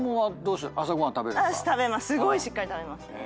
すごいしっかり食べますね。